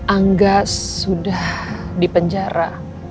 angga sudah dipenjara